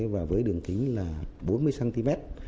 và với đường kính là bốn mươi cm